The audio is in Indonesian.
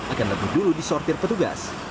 akan lebih dulu disortir petugas